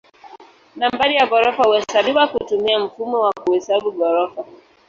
Nambari ya ghorofa huhesabiwa kutumia mfumo wa kuhesabu ghorofa.